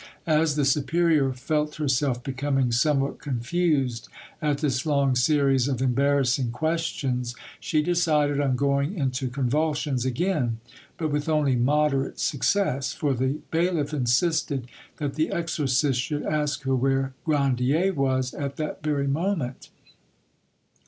As the superior felt herself becoming somewhat confused at this long series of embarrassing questions, she decided on going into convulsions again, but with only moderate success, for the bailiff insisted that the exorcists should ask her where Grandier was at that very moment.